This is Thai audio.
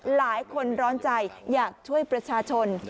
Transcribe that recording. หลายคนร้อนใจอยากช่วยประชาชน